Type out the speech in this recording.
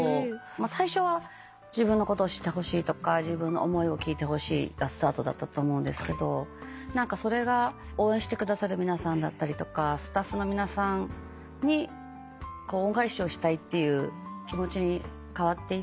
最初は自分のことを知ってほしいとか自分の思いを聞いてほしいがスタートだったと思うんですけどそれが応援してくださる皆さんだったりとかスタッフの皆さんに恩返しをしたいっていう気持ちに変わっていって。